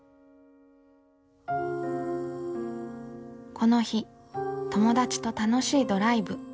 この日友達と楽しいドライブ。